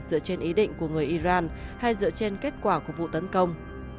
dựa trên ý định của người iran hay dựa trên kết quả của vụ tấn công